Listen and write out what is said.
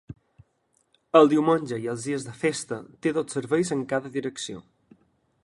El diumenge i els dies de festa, té dos serveis en cada direcció.